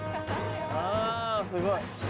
あすごい。